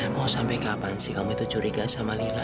mau sampai kapan sih kamu itu curiga sama lila